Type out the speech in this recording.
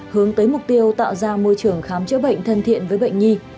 hướng tới mục tiêu tạo ra môi trường khám chữa bệnh thân thiện với bệnh nhi